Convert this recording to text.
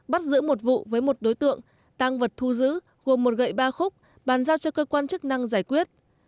bắt giữ một vụ với một đối tượng tăng vật thu giữ gồm một gậy ba khúc bàn giao cho cơ quan chức năng giải quyết